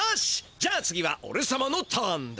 じゃ次はおれさまのターンだ。